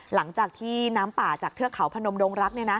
หลังจากที่น้ำป่าจากเทือกเขาพนมดงรัก